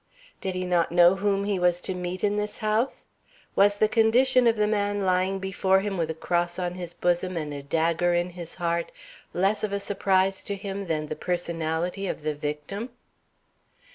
Did he not know whom he was to meet in this house? Was the condition of the man lying before him with a cross on his bosom and a dagger in his heart less of a surprise to him than the personality of the victim?